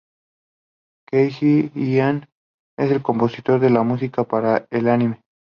Keiji Inai es el compositor de la música para el anime.